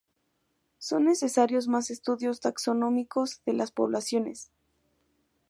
Son necesarios más estudios taxonómicos de las poblaciones.